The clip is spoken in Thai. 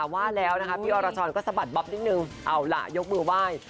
ว่าแล้วนะคะพี่อรชรก็สะบัดบ๊อบนิดนึงเอาล่ะยกมือไหว้